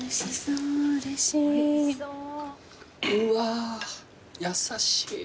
うわ優しい。